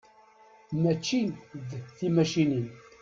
Mačči d timacinin.